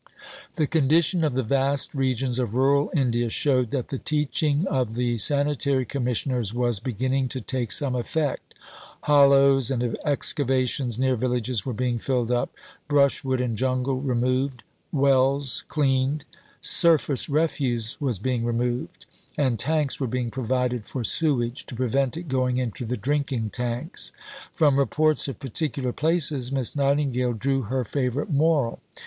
The condition of the vast regions of rural India showed that the teaching of the Sanitary Commissioners was beginning to take some effect. Hollows and excavations near villages were being filled up; brushwood and jungle, removed; wells, cleaned. Surface refuse was being removed; and tanks were being provided for sewage, to prevent it going into the drinking tanks. From reports of particular places, Miss Nightingale drew her favourite moral.